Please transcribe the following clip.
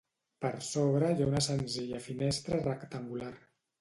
Per sobre hi ha una senzilla finestra rectangular.